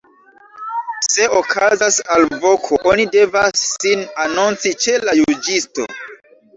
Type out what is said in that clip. Se okazas alvoko, oni devas sin anonci ĉe la juĝisto.